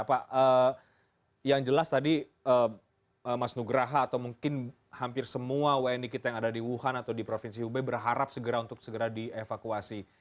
pak yang jelas tadi mas nugraha atau mungkin hampir semua wni kita yang ada di wuhan atau di provinsi hubei berharap segera untuk segera dievakuasi